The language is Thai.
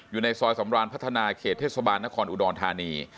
อยู่ในซอยสำราญพัฒนาเขตเทศบาลนครอุดรธานี